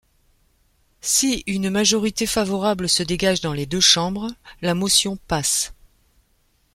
Si une majorité favorable se dégage dans les deux chambres, la motion passe.